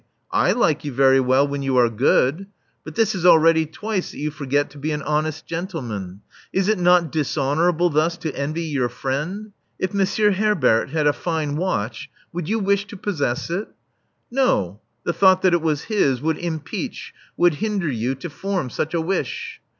I like you very well when you are good. But this is already twice that you forget to be an honest gentleman. Is it not dishonorable thus to envy your friend? If Monsieur Herbert had a fine watch, would you wish to possess it? No, the thought that it was his would impeach — would hinder you to form such a wish.